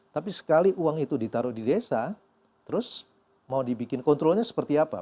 tapi sekali uang itu ditaruh di desa terus mau dibikin kontrolnya seperti apa